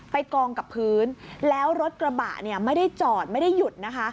กองกับพื้นแล้วรถกระบะเนี่ยไม่ได้จอดไม่ได้หยุดนะคะ